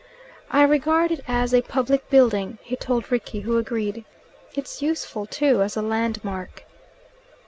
"I regard it as a public building," he told Rickie, who agreed. "It's useful, too, as a landmark."